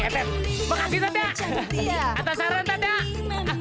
abang belilah sekarang